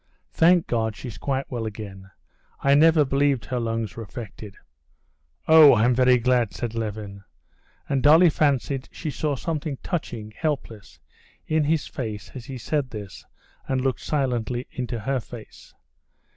"Thank God, she's quite well again. I never believed her lungs were affected." "Oh, I'm very glad!" said Levin, and Dolly fancied she saw something touching, helpless, in his face as he said this and looked silently into her face.